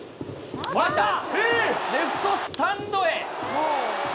また、レフトスタンドへ。